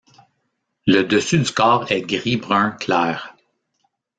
Le dessus du corps est gris brun clair.